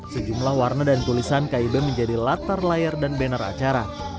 sejumlah warna dan tulisan kib menjadi latar layar dan banner acara